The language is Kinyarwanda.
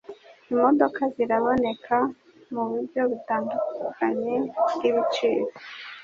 Imodoka ziraboneka muburyo butandukanye bwibiciro.